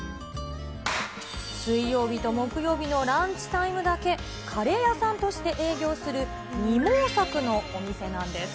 水曜日と木曜日のランチタイムだけ、カレー屋さんとして営業する二毛作のお店なんです。